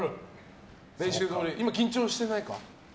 今、緊張してないか？